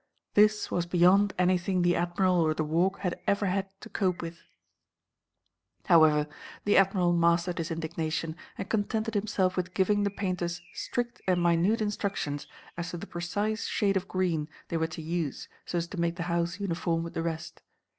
This was beyond anything the Admiral or the Walk had ever had to cope with. However, the Admiral mastered his indignation and contented himself with giving the painters strict and minute instructions as to the precise shade of green they were to use so as to make the house uniform with the rest.